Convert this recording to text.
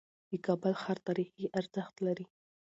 د کابل ښار تاریخي ارزښت لري.